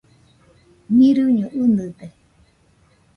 Mirɨño ɨnɨde.